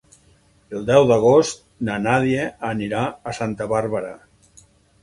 El deu d'agost na Nàdia anirà a Santa Bàrbara.